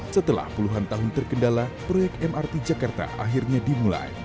setelah puluhan tahun terkendala proyek mrt jakarta akhirnya dimulai